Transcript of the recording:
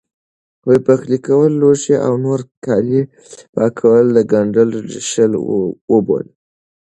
پخلی کول لوښي او نور کالي پاکول، ګنډل، رېشل، ووبدل،